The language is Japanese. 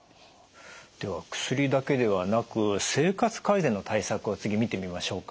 では薬だけではなく生活改善の対策を次見てみましょうか。